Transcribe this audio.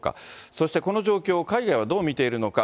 そしてこの状況を海外はどう見ているのか。